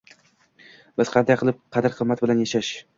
Biz qanday qilib qadr-qimmat bilan yashash